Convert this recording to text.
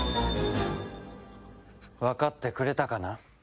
わかってくれたかな？